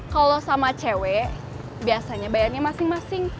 kalau sama cewek biasanya bayarnya masing masing